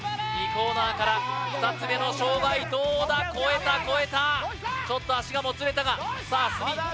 ２コーナーから２つ目の障害どうだ越えた越えたちょっと足がもつれたがさあ鷲見